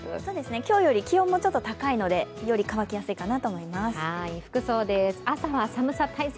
今日より気温もちょっと高いので、より乾きやすいかなと思います服装です、朝は寒さ対策